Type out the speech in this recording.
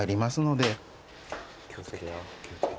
・気を付けてよ。